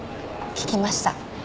聞きました。